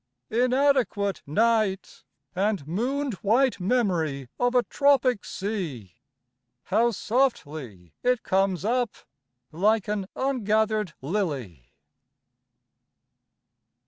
Inadequate night... And mooned white memory Of a tropic sea... How softly it comes up Like an ungathered lily.